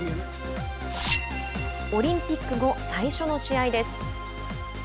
オリンピック後最初の試合です。